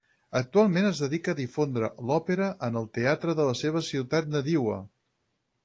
Actualment es dedica a difondre l'òpera en el teatre de la seva ciutat nadiua.